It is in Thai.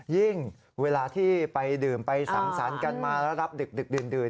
เวลาที่ไปดื่มไปสังสรรค์กันมาแล้วรับดึกดื่น